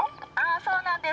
そうなんです。